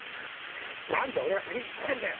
何で俺が先に知ってんだよ